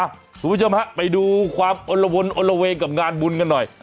คุณผู้ชมฮะไปดูความอลละวนอนละเวงกับงานบุญกันหน่อย